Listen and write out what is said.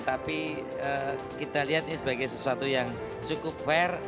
tapi kita lihat ini sebagai sesuatu yang cukup fair